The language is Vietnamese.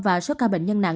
và số ca bệnh nhân này